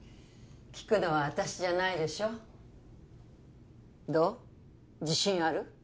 聞くのは私じゃないでしょどう自信ある？